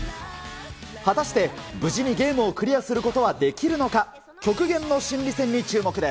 果たして無事にゲームをクリアすることはできるのか。